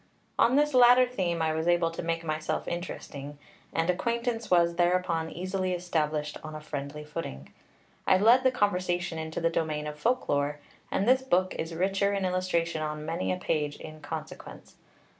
On this latter theme I was able to make myself interesting, and acquaintance was thereupon easily established on a friendly footing. I led the conversation into the domain of folk lore; and this book is richer in illustration on many a page, in consequence.